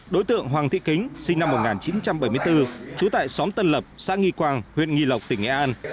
đối tượng hoàng thị kính sinh năm một nghìn chín trăm bảy mươi bốn trú tại xóm tân lập xã nghi quang huyện nghi lộc tỉnh nghệ an